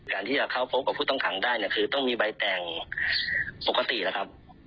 การที่จะเข้าพบกับผู้ต้องขังได้เนี่ยคือต้องมีใบแต่งปกติแล้วครับ